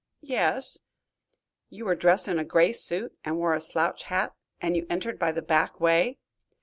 "Yes." "You were dressed in a gray suit and wore a slouch hat, and you entered by the back way?"